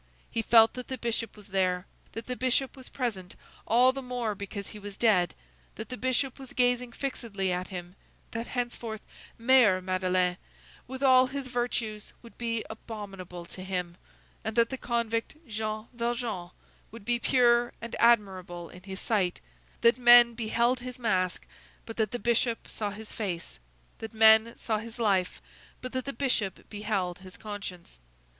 He felt that the Bishop was there, that the Bishop was present all the more because he was dead, that the Bishop was gazing fixedly at him, that henceforth Mayor Madeleine, with all his virtues, would be abominable to him, and that the convict Jean Valjean would be pure and admirable in his sight; that men beheld his mask, but that the Bishop saw his face; that men saw his life, but that the Bishop beheld his conscience.